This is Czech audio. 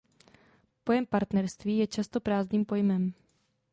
Pojem partnerství je často prázdným pojmem.